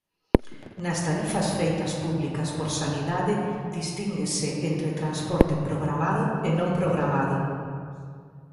Nas tarifas feitas públicas por Sanidade distínguese entre transporte "programado" e "non programado".